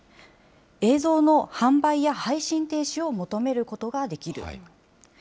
映像の販売や配信停止を求めることができる。